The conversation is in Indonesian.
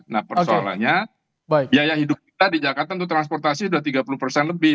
nah persoalannya biaya hidup kita di jakarta untuk transportasi sudah tiga puluh persen lebih